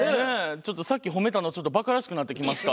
ちょっとさっき褒めたのちょっとばからしくなってきました。